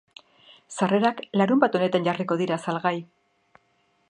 Sarrerak larunbat honetan jarriko dira salgai.